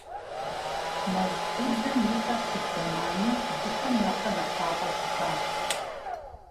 Мэз дзыдзэм и фэр сыт зэмани дыщэм нэхърэ нэхъ лъапӀэу щытащ.